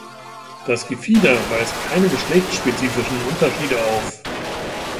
Das Gefieder weist keine geschlechtsspezifischen Unterschiede auf.